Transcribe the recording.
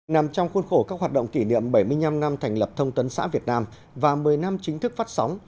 nằm trong khuôn khổ các hoạt động kỷ niệm bảy mươi năm năm thành lập thông tấn xã việt nam và một mươi năm chính thức phát sóng